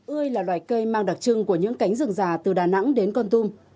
ươi là loài cây mang đặc trưng của những cánh rừng già từ đà nẵng đến con tum